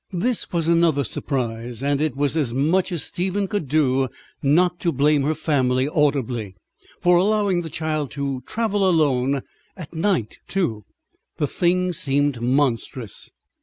This was another surprise, and it was as much as Stephen could do not to blame her family audibly for allowing the child to travel alone, at night too. The thing seemed monstrous.